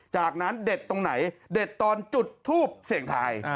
จากนั้นเด็ดตรงไหนเด็ดตอนจุดทูปเสี่ยงทาย